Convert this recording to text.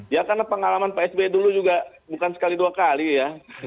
ya karena pengalaman pak sby dulu juga bukan sekali dua kali ya